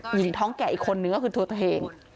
หญิงท้องแก่อีกคนนึงก็คือตัวเธอเอง